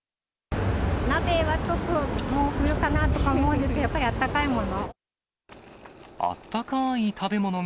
鍋はちょっと、もう冬かなぁとか思うんですけど、やっぱりあったかいもの。